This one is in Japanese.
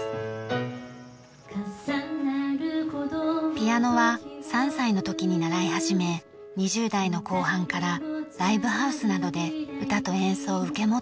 ピアノは３歳の時に習い始め２０代の後半からライブハウスなどで歌と演奏を受け持ってきました。